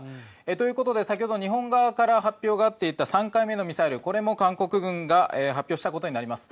ということで先ほど日本側から発表があった３回目のミサイルこれも韓国軍が発表したことになります。